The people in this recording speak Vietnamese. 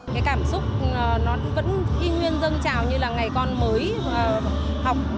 cái cảm xúc nó vẫn khi nguyên dâng trào như là ngày con mới học